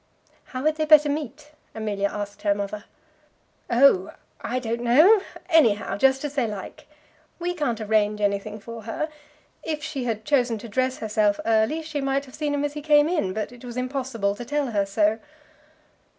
"How had they better meet?" Amelia asked her mother. "Oh; I don't know; anyhow; just as they like. We can't arrange anything for her. If she had chosen to dress herself early, she might have seen him as he came in; but it was impossible to tell her so."